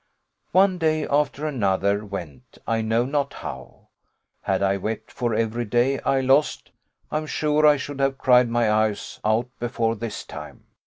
One day after another went I know not how. Had I wept for every day I lost, I'm sure I should have cried my eyes out before this time.